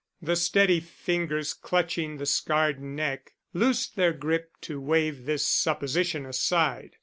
The steady fingers clutching the scarred neck loosed their grip to wave this supposition aside.